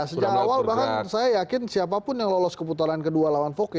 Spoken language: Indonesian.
sejak awal bahkan saya yakin siapapun yang lolos keputaran kedua lawan voke